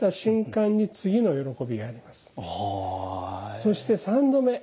そして３度目。